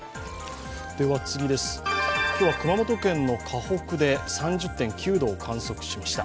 今日は熊本県の鹿北で３０．９度を観測しました。